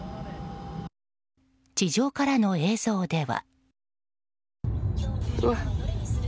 地上からの映像では。